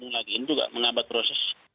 ini juga mengabad proses